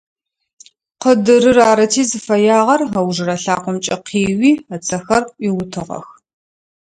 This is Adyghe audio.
Къыдырыр арыти зыфэягъэр, ыужырэ лъакъомкӀэ къеуи, ыцэхэр Ӏуиутыгъэх.